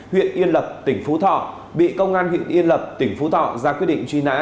huyện yên lập tỉnh phú thọ bị công an huyện yên lập tỉnh phú thọ ra quyết định truy nã